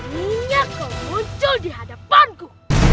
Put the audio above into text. jadinya kau muncul di hadapanku